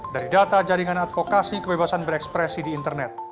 dari data jaringan advokasi kebebasan berekspresi di internet